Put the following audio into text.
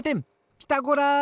「ピタゴラ」！